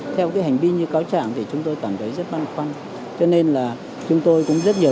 theo hành vi như cáo trạng thì chúng tôi cảm thấy rất văn khoăn cho nên là chúng tôi cũng rất nhiều